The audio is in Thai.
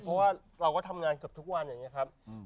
เพราะว่าเราก็ทำงานเกือบทุกวันอย่างนี้ครับ